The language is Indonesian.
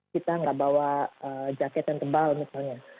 kita nggak bawa jaket yang tebal misalnya